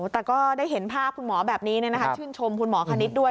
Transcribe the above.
แต่ก็ได้เห็นภาพคุณหมอแบบนี้ชื่นชมคุณหมอคณิตด้วย